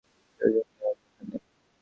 সে জন্যই আমি এখানে।